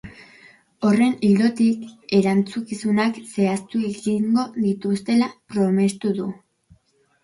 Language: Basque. Horren ildotik, erantzukizunak zehaztu egingo dituztela promestu du.